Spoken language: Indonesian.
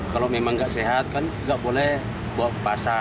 kalau memang nggak sehat kan nggak boleh bawa ke pasar